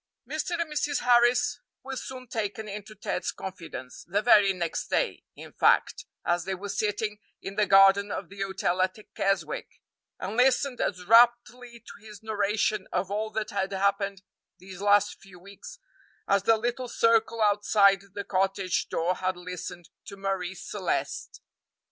Mr. and Mrs. Harris were soon taken into Ted's confidence the very next day, in fact, as they were sitting in the garden of the hotel at Keswick and listened as raptly to his narration of all that had happened these last few weeks as the little circle outside the cottage door had listened to Marie Celeste.